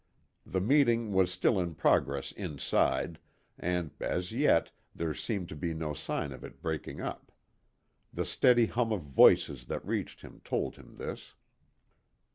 The meeting was still in progress inside, and, as yet, there seemed to be no sign of its breaking up. The steady hum of voices that reached him told him this.